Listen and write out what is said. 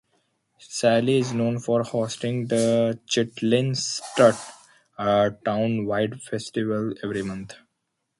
Salley is known for hosting the Chitlin Strut, a town-wide festival, every November.